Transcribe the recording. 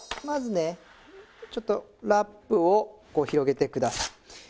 まずねちょっとラップをこう広げてください。